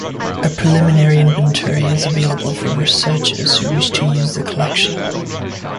A preliminary inventory is available for researchers who wish to use the collection.